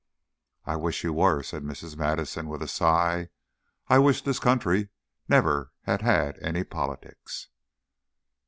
"I wish you were," said Mrs. Madison, with a sigh. "I wish this country never had had any politics."